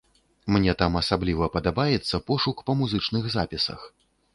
Мне там асабліва падабаецца пошук па музычных запісах.